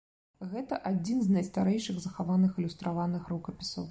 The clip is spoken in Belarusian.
Гэта адзін з найстарэйшых захаваных ілюстраваных рукапісаў.